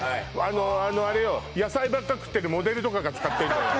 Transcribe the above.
あれあれよ野菜ばっか食ってるモデルとかが使ってんのよ